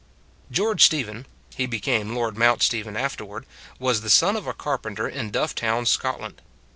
George Stephen he became Lord Mount Stephen afterward was the son of a carpenter in Dufftown, Scotland.